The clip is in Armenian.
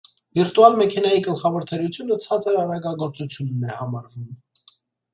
Վիրտուալ մեքենայի գլխավոր թերությունը ցածր արագագործությունն է համարվում։